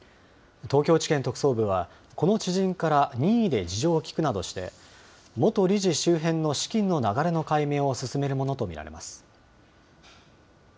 東京地検特捜部は、この知人から任意で事情を聴くなどして、元理事周辺の資金の流れの解明を進めるものと見られます。